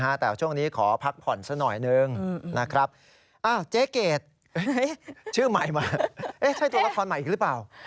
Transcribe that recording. เอ๊ะใช่ตัวละครใหม่อีกหรือเปล่า